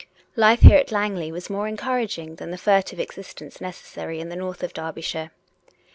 Life here at Langley was more encouraging than the fur tive existence necessary in the north of Derbyshire.